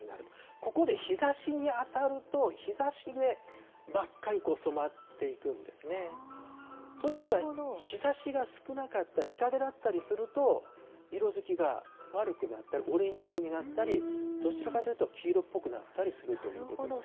ここで日ざしに当たると、日ざしで真っ赤に染まっていくんですね。ということは日ざしが少なかったり、日陰だったりすると、色づきが悪くなったり、オレンジ色になったり、どちらかというと黄色っぽくなったりするということです。